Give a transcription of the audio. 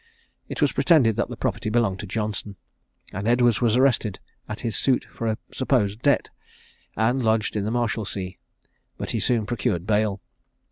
It was pretended that the property belonged to Johnson, and Edwards was arrested at his suit for a supposed debt, and lodged in the Marshalsea; but he soon procured bail.